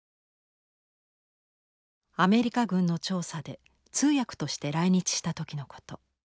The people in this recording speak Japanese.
アメリカ軍の調査で通訳として来日した時のこと。